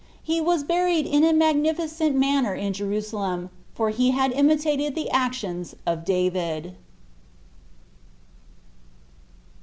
He was buried in a magnificent manner in Jerusalem, for he had imitated the actions of David.